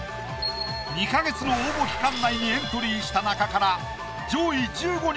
２か月の応募期間内にエントリーした中から。